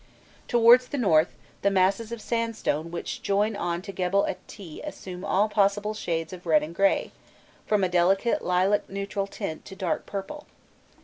Towards the north, the masses of sandstone which join on to Gebel et Tîh assume all possible shades of red and grey, from a delicate lilac neutral tint to dark purple.